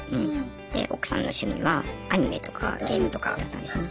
で奥さんの趣味はアニメとかゲームとかだったんですね。